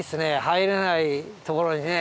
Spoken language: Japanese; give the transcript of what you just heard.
入れないところにね。